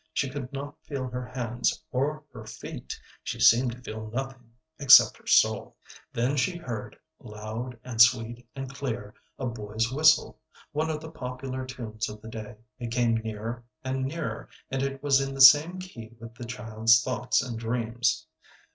She could not feel her hands or her feet; she seemed to feel nothing except her soul. Then she heard, loud and sweet and clear, a boy's whistle, one of the popular tunes of the day. It came nearer and nearer, and it was in the same key with the child's thoughts and dreams.